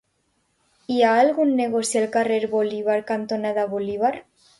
Hi ha algun negoci al carrer Bolívar cantonada Bolívar?